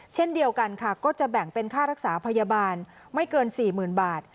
เช่นเดียวกันค่ะก็จะแบ่งเป็นค่ารักษาพยาบาลไม่เกิน๔๐๐๐บาท